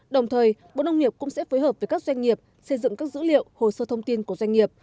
đồng thời bộ nông nghiệp cũng sẽ phối hợp với các doanh nghiệp xây dựng các dữ liệu hồ sơ thông tin của doanh nghiệp